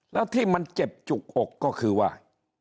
แล้วที่มันเจ็บจุกอกก็คือว่า